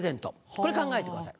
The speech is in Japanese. これ考えてください。